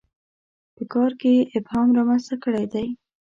په کار کې یې ابهام رامنځته کړی دی.